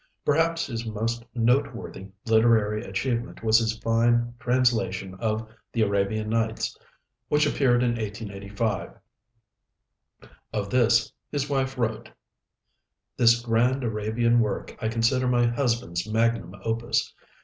Perhaps his most noteworthy literary achievement was his fine translation of the 'Arabian Nights,' which appeared in 1885. Of this his wife wrote: "This grand Arabian work I consider my husband's Magnum Opus....